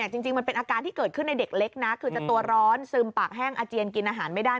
จริงมันเป็นอาการที่เกิดขึ้นในเด็กเล็กนะคือจะตัวร้อนซึมปากแห้งอาเจียนกินอาหารไม่ได้